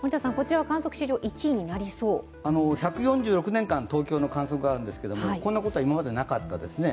１４６年間、東京の観測があるんですけども、こんなことは今までなかったですね。